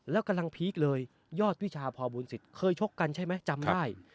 แล้วกำลังพีคเลยยอดวิชาพอบุญสิทธิ์เคยชกกันใช่ไหมจำได้